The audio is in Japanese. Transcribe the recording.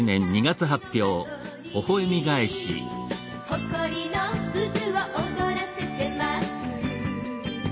「ほこりの渦を踊らせてます」